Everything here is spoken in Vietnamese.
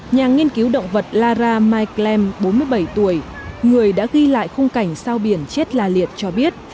nhà nghiên cứu động vật lara mikem bốn mươi bảy tuổi người đã ghi lại khung cảnh sao biển chết la liệt cho biết